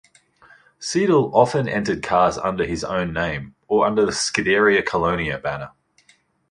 Seidel often entered cars under his own name, or under the Scuderia Colonia banner.